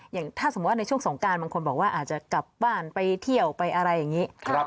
อย่างถ้าสมมุติว่าในช่วงสงการบางคนบอกว่าอาจจะกลับบ้านไปเที่ยวไปอะไรอย่างนี้